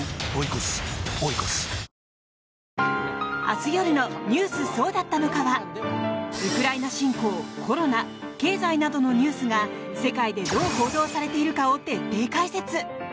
明日夜の「ニュースそうだったのか！！」はウクライナ侵攻、コロナ経済などのニュースが世界で、どう報道されているかを徹底解説。